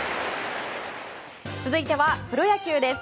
続いてはプロ野球です。